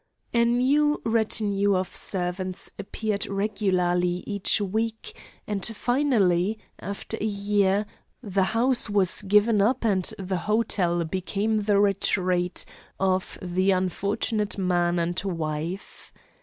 A new retinue of servants appeared regularly each week, and finally, after a year, the home was given up and the hotel became the retreat of the unfortunate man and wife.